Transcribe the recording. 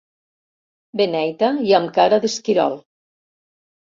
Beneita i amb cara d'esquirol.